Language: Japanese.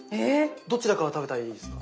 どちらから食べたらいいですか？